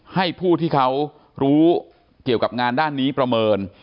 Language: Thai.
ให้ผู้ที่เขารู้เกี่ยวกับงานด้านนี้ประเมิน